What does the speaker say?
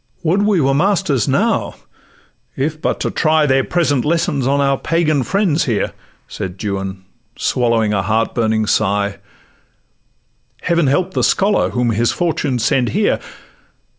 'Would we were masters now, if but to try Their present lessons on our Pagan friends here,' Said Juan,—swallowing a heart burning sigh: 'Heaven help the scholar whom his fortune sends here!